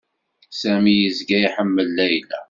Sami yezga iḥemmel Layla.